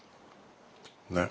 ねっ。